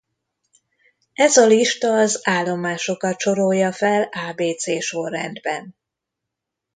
Ez a lista az állomásokat sorolja fel ábécé sorrendben.